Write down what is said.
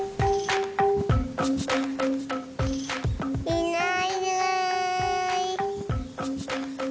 いないいない。